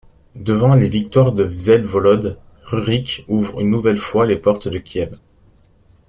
Devant les victoires de Vsevolod, Rurik ouvre une nouvelle fois les portes de Kiev.